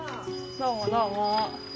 どうもどうも。